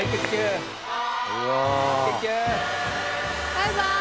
バイバイ。